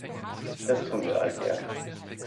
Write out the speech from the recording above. Das tun wir alle gern.